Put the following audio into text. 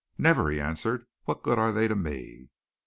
"Never," he answered. "What good are they to me?"